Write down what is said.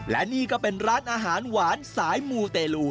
และนี่ก็เป็นร้านอาหารหวานสายมูเตลู